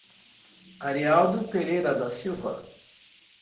Arialdo Pereira da Silva